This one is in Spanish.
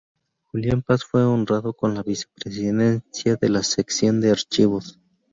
Julián Paz fue honrado con la vicepresidencia de la sección de archivos.